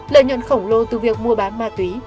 lợi nhuận khổng lồ từ việc mua bán ma túy